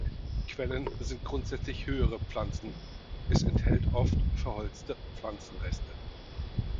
Quellen sind grundsätzlich höhere Pflanzen, es enthält oft verholzte Pflanzenreste.